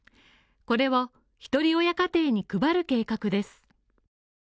これをひとり親家庭に配る計画です。